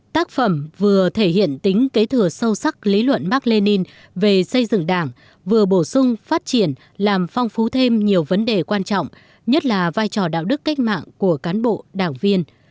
tác phẩm vừa thể hiện tính kế thừa sâu sắc lý luận mark lenin về xây dựng đảng vừa bổ sung phát triển làm phong phú thêm nhiều vấn đề quan trọng nhất là vai trò đạo đức cách mạng của cán bộ đảng viên